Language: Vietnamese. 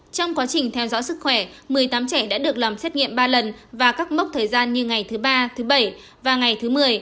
trong quá trình theo dõi sức khỏe một mươi tám trẻ đã được làm xét nghiệm ba lần và các mốc thời gian như ngày thứ ba thứ bảy và ngày thứ một mươi